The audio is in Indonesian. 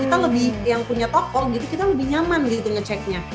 kita lebih yang punya toko gitu kita lebih nyaman gitu ngeceknya